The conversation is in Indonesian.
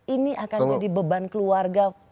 ini akan jadi beban keluarga